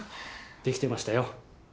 できてましたよ。